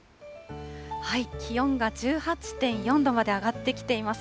気温が１８．４度まで上がってきています。